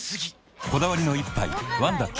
こだわりの一杯「ワンダ極」